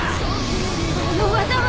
あの技は。